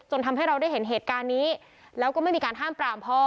ทำให้เราได้เห็นเหตุการณ์นี้แล้วก็ไม่มีการห้ามปรามพ่อ